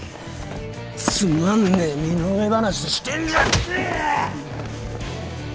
つまんねえ身の上話してんじゃねえ！